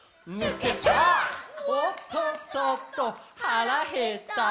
「おっとっとっと腹減った！」